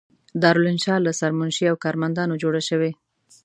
دارالانشأ له سرمنشي او کارمندانو جوړه شوې.